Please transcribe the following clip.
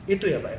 itu ya pak